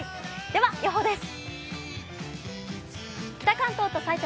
では予報です。